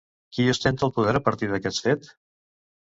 Qui ostenta el poder a partir d'aquest fet?